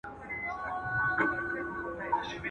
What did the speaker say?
غازي د خپلي خور پوړني ته بازار لټوي.